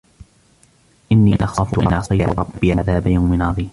إني أخاف إن عصيت ربي عذاب يوم عظيم ن